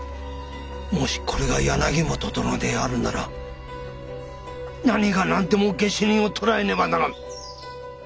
もしこれが柳本殿であるなら何が何でも下手人を捕らえねばならぬ。